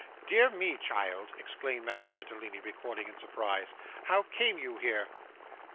'Dear me, child!' exclaimed Madame Mantalini, recoiling in surprise. 'How came you here?